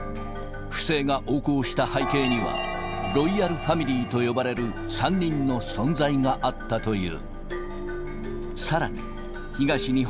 不正が横行した背景には、ロイヤルファミリーと呼ばれる３人の存在があったという。